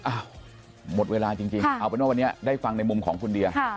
หมดเวลาจริงเอาเป็นว่าวันนี้ได้ฟังในมุมของคุณเดีย